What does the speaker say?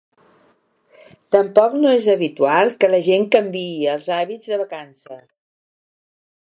Tampoc no és habitual que la gent canviï els hàbits de vacances.